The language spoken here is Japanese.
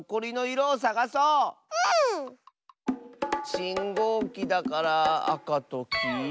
しんごうきだからあかときいろ？